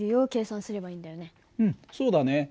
うんそうだね。